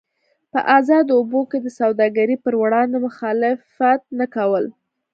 په ازادو اوبو کې د سوداګرۍ پر وړاندې مخالفت نه کول.